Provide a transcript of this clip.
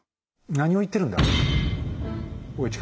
何を言ってるんだ。